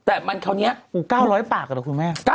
แต่มันคราวนี้ปรุธหะหู๙๐๐ปากอ่ะนะคุณแม่